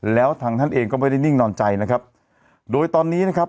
แล้วทางท่านเองก็ไม่ได้นิ่งนอนใจนะครับโดยตอนนี้นะครับ